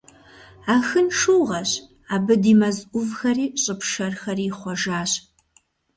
Ахын шыугъэщ, абы ди мэз Ӏувхэри щӀы пшэрхэри ихъуэжащ.